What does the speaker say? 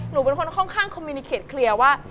หนูเป็นคนค่อนข้างคอมมินิเขตเคลียร์ว่า